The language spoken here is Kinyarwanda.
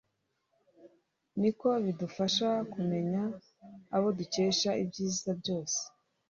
ni uko bidufasha kumenya abo dukesha ibyiza byose